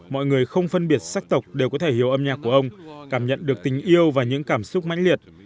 mọi người không phân biệt sắc tộc đều có thể hiểu âm nhạc của ông cảm nhận được tình yêu và những cảm xúc mạnh liệt